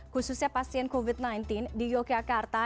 khususnya pasien covid sembilan belas di yogyakarta